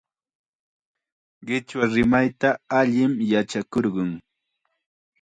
Qichwa rimayta allim yachakurqun.